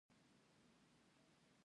دوی پر ځای یې پرانیستي بنسټونه سمبال کړل.